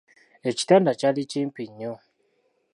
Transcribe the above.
Ekitanda kyali kimpi nnyo.